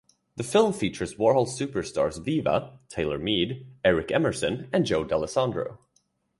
The film features Warhol superstars Viva, Taylor Mead, Eric Emerson and Joe Dallesandro.